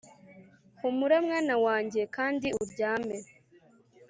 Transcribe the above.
humura, mwana wanjye, kandi uryame.